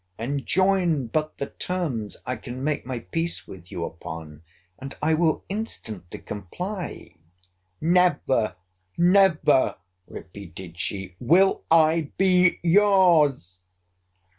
Enjoin but the terms I can make my peace with you upon, and I will instantly comply. Never, never, repeated she, will I be your's!